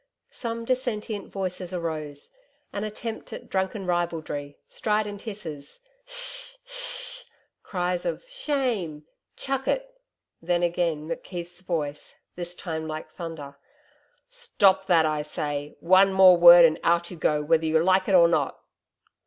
Some dissentient voices arose; an attempt at drunken ribaldry, strident hisses, 'Sh! Sh!' Cries of 'Shame.' 'Chuck it!' Then again, McKeith's voice, this time like thunder. 'Stop that I say one more word and out you go, whether you like it or not.'